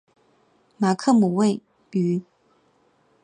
马克姆位于。